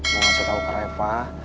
mau kasih tahu ke reva